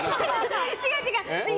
違う、違う！